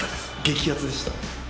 激アツでした